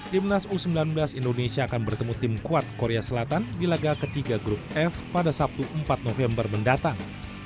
timnas u sembilan belas indonesia akan bertemu tim kuat korea selatan di laga ketiga grup f pada sabtu empat november mendatang